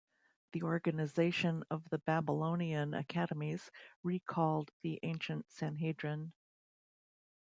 The organization of the Babylonian academies recalled the ancient Sanhedrin.